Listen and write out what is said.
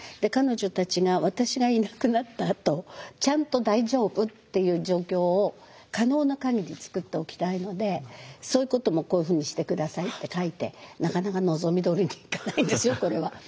彼女たちが私がいなくなったあとちゃんと大丈夫っていう状況を可能な限り作っておきたいのでそういうこともこういうふうにして下さいって書いてなかなか望みどおりにいかないんですよこれは。